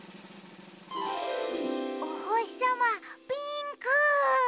おほしさまピンク！